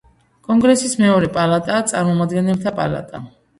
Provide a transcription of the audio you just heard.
კონგრესის მეორე პალატაა წარმომადგენელთა პალატა.